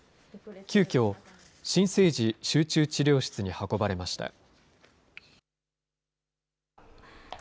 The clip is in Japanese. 急きょ、新生児集中治療室に運ばれました。